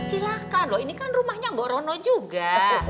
silahkan loh ini kan rumahnya mbak rono juga